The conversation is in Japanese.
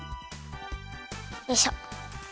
よいしょ。